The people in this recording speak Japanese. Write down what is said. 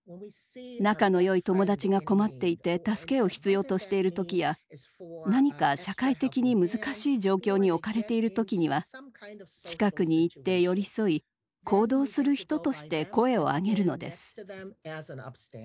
仲のよい友だちが困っていて助けを必要としている時や何か社会的に難しい状況に置かれている時には近くに行って寄り添い行動する人として声を上げるのです。